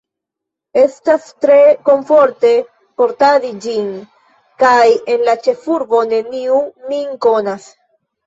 Estas tre komforte portadi ĝin, kaj en la ĉefurbo neniu min konas.